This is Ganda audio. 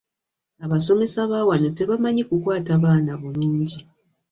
Abasomesa baawano tebamanyi kukwaata baana bulungi.